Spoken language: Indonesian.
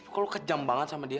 kok lo kejam banget sama dia